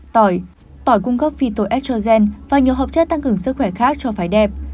tỏi tỏi cung cấp phytoestrogen và nhiều hợp chất tăng cường sức khỏe khác cho phái đẹp